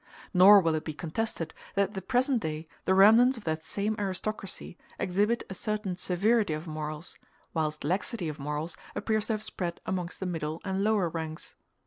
Nor will it be contested that at the present day the remnants of that same aristocracy exhibit a certain severity of morals; whilst laxity of morals appears to have spread amongst the middle and lower ranks.